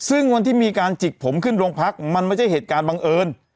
ซึ่งวันที่มีการจิกผมขึ้นโรงพักมันไม่ใช่เหตุการณ์บังเอิญ